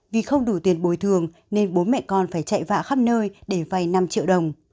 vì không đủ tiền bồi thường nên bố mẹ con phải chạy vạ khắp nơi để vay năm triệu đồng